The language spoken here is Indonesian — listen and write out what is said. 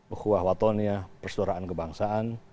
ukhwah watoniyah persaudaraan kebangsaan